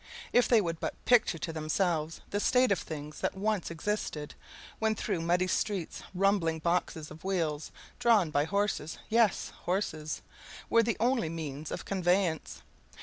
If they would but picture to themselves the state of things that once existed, when through muddy streets rumbling boxes on wheels, drawn by horses yes, by horses! were the only means of conveyance.